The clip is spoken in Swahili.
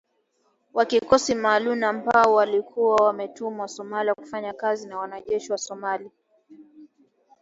wa kikosi maalum ambao walikuwa wametumwa Somalia kufanya kazi na wanajeshi wa Somalia